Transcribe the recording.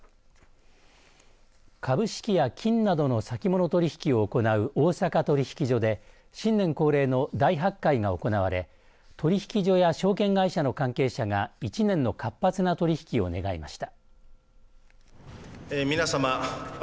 株式や金などの先物取引を行う大阪取引所で新年恒例の大発会が行われ取引所や証券会社の関係者が１年の活発な取り引きを願いました。